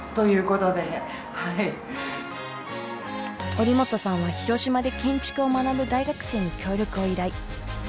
折本さんは広島で建築を学ぶ大学生に協力を依頼。